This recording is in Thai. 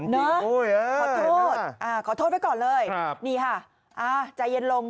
ขอโทษขอโทษไว้ก่อนเลยนี่ค่ะใจเย็นลง